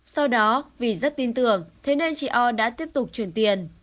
sau đó vì rất tin tưởng thế nên chị o đã tiếp tục chuyển tiền